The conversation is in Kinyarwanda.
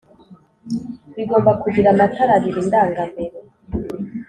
bigomba kugira amatara abiri ndanga mbere